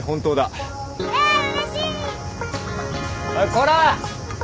こら。